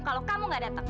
kalau kamu gak datang